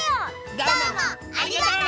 どうもありがとう！